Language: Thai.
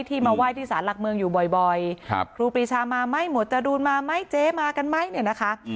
มาไหว้ที่สารหลักเมืองอยู่บ่อยครูปรีชามาไหมหมวดจรูนมาไหมเจ๊มากันไหมเนี่ยนะคะ